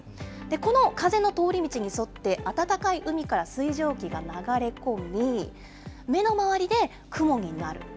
この風の通り道に沿って、暖かい海から水蒸気が流れ込み、目の周りで雲になる。